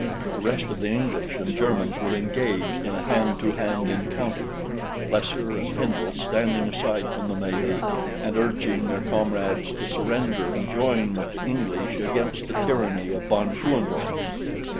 The rest of the English and Germans were engaged in a hand to hand encounter, Plesser and Hindle standing aside from the melee and urging their comrades to surrender and join with the English against the tyranny of von Schoenvorts.